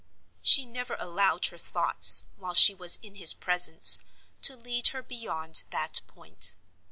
She never allowed her thoughts, while she was in his presence, to lead her beyond that point.